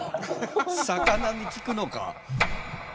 魚に聞くのか？